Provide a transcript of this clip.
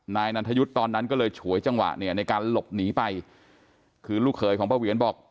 นายนันทยุทธ์ตอนนั้นก็เลยฉวยจังหวะเนี่ยในการหลบหนีไปคือลูกเขยของป้าเหวียนบอก